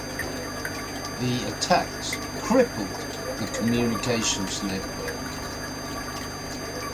The attacks "crippled" the communications network.